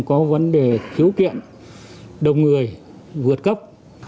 có vấn đề thiếu kiện đồng người vượt cấp